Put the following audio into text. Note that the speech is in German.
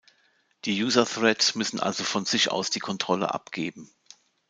Die User-Threads müssen also von sich aus die Kontrolle abgeben.